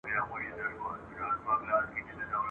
چي ښځه به خپل له لاسه ورکړي